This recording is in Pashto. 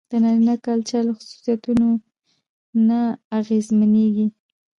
د نارينه کلچر له خصوصيتونو نه اغېزمنېږي.